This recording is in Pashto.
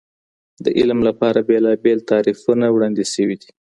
د علم لپاره بېلابېل تعريفونه وړاندې سوي دي.